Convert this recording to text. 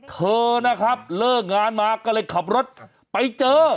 เธอนะครับเลิกงานมาก็เลยขับรถไปเจอ